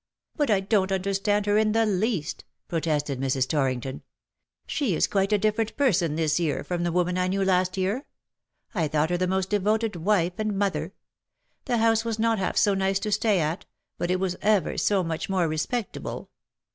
^'" But I don^t understand her in the least/^ pro tested Mrs. Torrington. " She is quite a different person this year from the woman I knew last year. I thought her the most devoted wife and mother. The house was not half so nice to stay at ; but it was ever so much more respectable.